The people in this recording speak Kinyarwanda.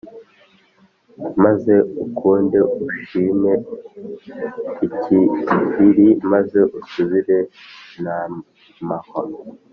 Maze ukunde ushime ikiriri maze usubire ntamahwa